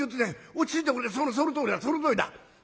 落ち着いてくれそのとおりだそのとおりだ。